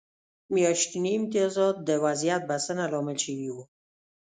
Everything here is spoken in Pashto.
میاشتني امتیازات د وضعیت بسنه لامل شوي وو.